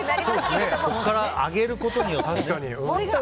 ここから揚げることによってね。